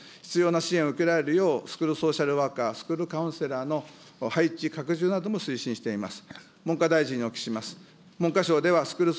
また支援を要する児童・生徒全員が、必要な支援を受けられるようスクールソーシャルワーカー、スクールカウンセラーの配置、拡充なども推進しています。